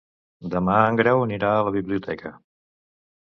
Demà en Grau anirà a la biblioteca.